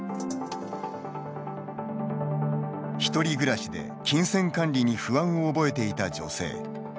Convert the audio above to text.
１人暮らしで金銭管理に不安を覚えていた女性。